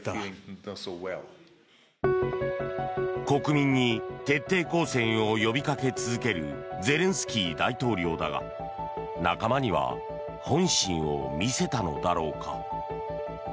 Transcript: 国民に徹底抗戦を呼びかけ続けるゼレンスキー大統領だが仲間には本心を見せたのだろうか。